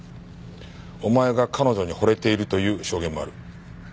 お前が彼女に惚れているという証言もある。